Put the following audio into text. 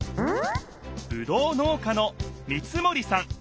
ぶどう農家の三森さん。